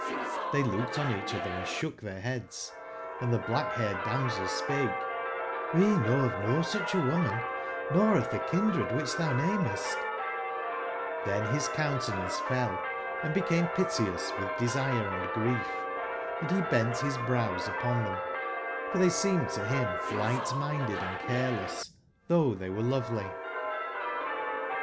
TIbey looked on eacbotber and sbook tbeir beads, and tbc black/baircd damsel spake: ''Qle know of no sucb a woman, nor of tbc kindred wbicb tbou namest" jj^TTben bis countenance fell, and became piteous witb desire and grief, and be bent bis brows upon tbem, for tbey seemed to bim ligbt/minded & care less, tbougb tbey were lovely.